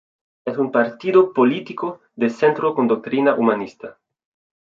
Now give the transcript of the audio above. Es un partido político de centro con doctrina humanista.